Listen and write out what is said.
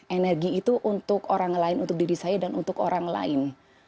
energi itu untuk orang lain untuk diri saya dan untuk orang lain